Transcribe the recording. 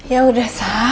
ya udah sah